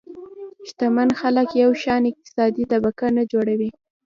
شتمن خلک یو شان اقتصادي طبقه نه جوړوي.